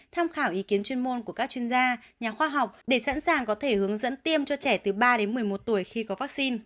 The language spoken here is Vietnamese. tham khảo ý kiến chuyên môn của các chuyên gia nhà khoa học để sẵn sàng có thể hướng dẫn tiêm cho trẻ từ ba đến một mươi một tuổi khi có vaccine